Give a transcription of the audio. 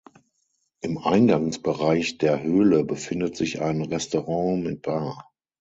Im Eingangsbereich der Höhle befindet sich ein Restaurant mit Bar.